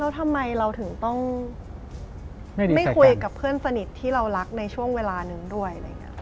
แล้วทำไมเราถึงต้องไม่คุยกับเพื่อนสนิทที่เรารักในช่วงเวลาหนึ่งด้วย